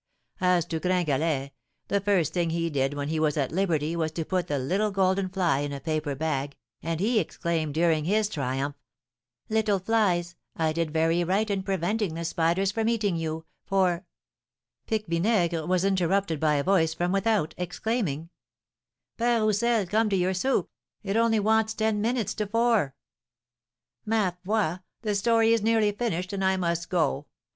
As to Gringalet, the first thing he did when he was at liberty was to put the little golden fly in a paper bag, and he exclaimed during his triumph, 'Little flies, I did very right in preventing the spiders from eating you, for '" Pique Vinaigre was interrupted by a voice from without, exclaiming: "Père Roussel, come to your soup; it only wants ten minutes to four!" "Ma foi! The story is nearly finished, and I must go.